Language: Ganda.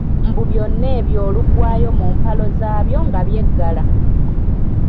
Mbu byonna ebyo oluggwaayo mu mpalo zaabyo nga byeggala.